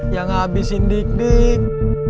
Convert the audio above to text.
yang ngabisin dik dik